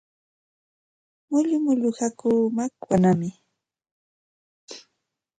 Mullu mullu hakuu makwanaami.